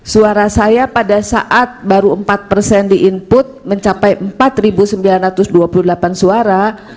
suara saya pada saat baru empat persen di input mencapai empat sembilan ratus dua puluh delapan suara